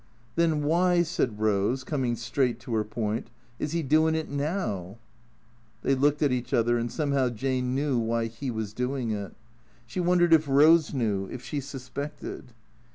" Then w'y," said Rose, coming straight to her point, " is he doin' it now ?" They looked at each other; and somehow Jane knew why he was doing it. She wondered if Rose knew; if she suspected.